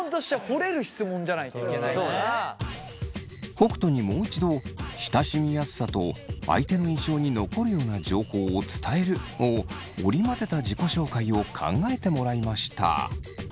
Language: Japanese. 北斗にもう一度「親しみやすさ」と「相手の印象に残るような情報を伝える」を織り交ぜた自己紹介を考えてもらいました。